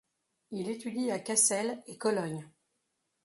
Il étudie à Cassel et Cologne.